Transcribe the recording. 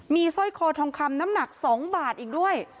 มีสร้อยคอทองคำน้ำหนัก๒บาทอีกด้วย